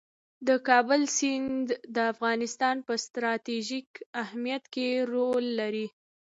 د کابل سیند د افغانستان په ستراتیژیک اهمیت کې رول لري.